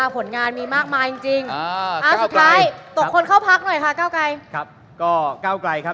กรรมสมัยละแก้วไกร